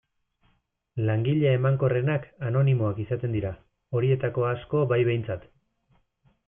Langile emankorrenak anonimoak izaten dira, horietako asko bai behintzat.